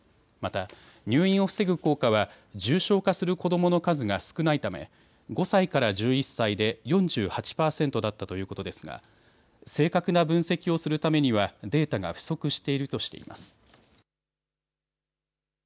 また入院を防ぐ効果は重症化する子どもの数が少ないため５歳から１１歳で４８％だったということですが正確な分析をするためにはデータが不足しているとしています。